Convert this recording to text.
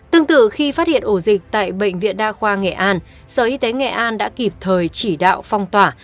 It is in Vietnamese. tương tự khi phát hiện ổ dịch tại bệnh viện đa khoa nghệ an sở y tế nghệ an đã kịp thời chỉ đạo phong tỏa